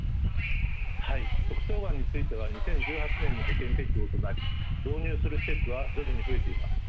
はい直腸がんについては２０１８年に保険適用となり導入する施設は徐々に増えています。